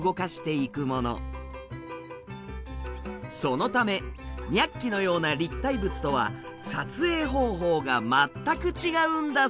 そのため「ニャッキ！」のような立体物とは撮影方法が全く違うんだそう。